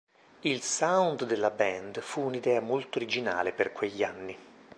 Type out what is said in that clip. Il sound della band fu un'idea molto originale per quegli anni.